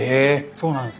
そうなんです。